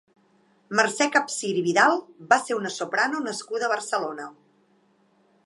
Mercè Capsir i Vidal va ser una soprano nascuda a Barcelona.